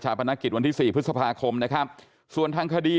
จากชาวพนธกิจวันที่๔พฤษภาคมส่วนทางคดี